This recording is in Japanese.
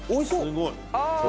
すごい。